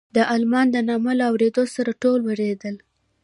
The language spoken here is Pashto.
د المان د نامه له اورېدو سره ټول وېرېدل.